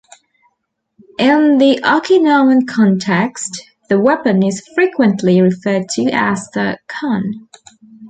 In the Okinawan context, the weapon is frequently referred to as the "kon".